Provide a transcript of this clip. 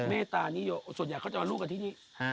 เมตตานิยมส่วนใหญ่เขาจะเอาลูกกันที่นี่